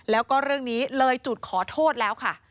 แล้วก็เรื่องนี้เลยจุดขอโทษแล้วค่ะ